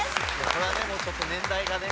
これはねもうちょっと年代がね。